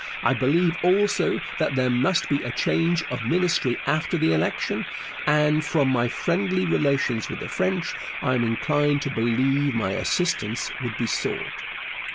I believe also that there must be a change of Ministry after the election, and, from my friendly relations with the French, I am inclined to believe my assistance would be sought.